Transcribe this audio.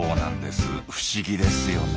不思議ですよね。